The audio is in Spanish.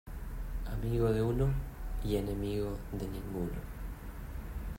Amigo de uno, y enemigo de ninguno.